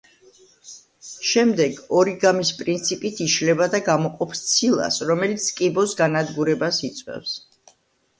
შემდეგ, ორიგამის პრინციპით იშლება და გამოყოფს ცილას, რომელიც კიბოს განადგურებას იწვევს.